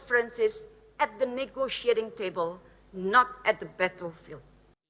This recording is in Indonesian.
dan menjembatani perbedaan kita di atas meja negosiasi bukan di atas perang